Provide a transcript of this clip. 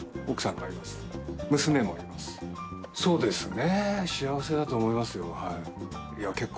そうですね